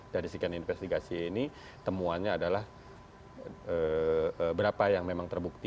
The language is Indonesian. dari sekian investigasi ini temuannya adalah berapa yang memang terbukti